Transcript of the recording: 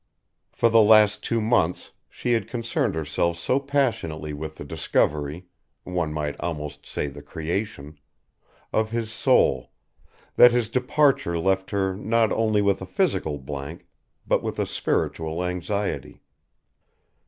For the last two months she had concerned herself so passionately with the discovery one might almost say the creation of his soul, that his departure left her not only with a physical blank, but with a spiritual anxiety.